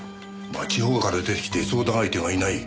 地方から出てきて相談相手がいない。